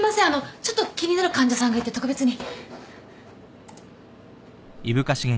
あのちょっと気になる患者さんがいて特別に。